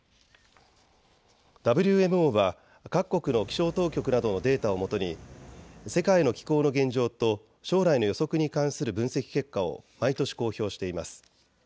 ＷＭＯは各国の気象当局などのデータをもとに世界の気候の現状と将来の予測に関する分析結果を毎年、公表しています。